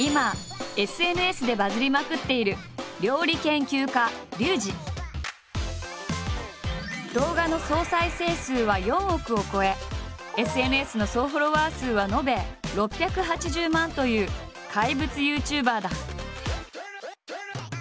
今ＳＮＳでバズりまくっている動画の総再生数は４億を超えＳＮＳの総フォロワー数は延べ６８０万人という怪物ＹｏｕＴｕｂｅｒだ。